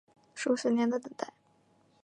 数十年的等待